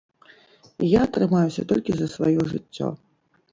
Я трымаюся толькі за сваё жыццё.